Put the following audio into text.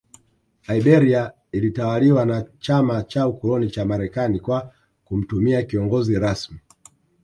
Liberia ilitawaliwa na Chama cha Ukoloni cha Marekani kwa kumtumia kiongozi rasmi